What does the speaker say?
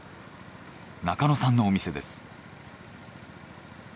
中野さんのお店です。